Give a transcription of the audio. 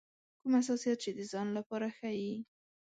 کوم حساسیت چې د ځان لپاره ښيي.